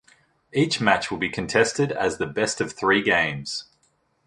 Each match will be contested as the best of three games.